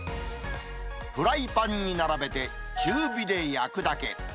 フライパンに並べて、中火で焼くだけ。